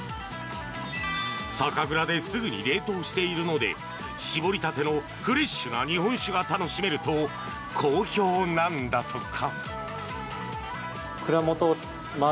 酒蔵ですぐに冷凍しているので搾りたてのフレッシュな日本酒が楽しめると好評なんだとか。